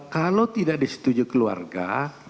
kalau tidak disetujui keluarga